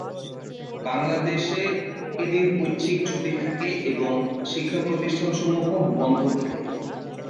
বাংলাদেশে এদিন ঐচ্ছিক ছুটি থাকে এবং শিক্ষাপ্রতিষ্ঠানসমূহ বন্ধ থাকে।